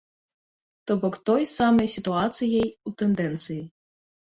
То бок той самай сітуацыяй у тэндэнцыі.